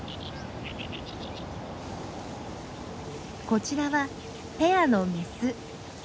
こちらはペアのメス。